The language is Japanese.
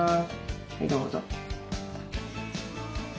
はいどうぞ。